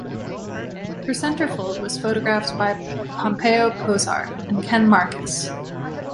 Her centerfold was photographed by Pompeo Posar and Ken Marcus.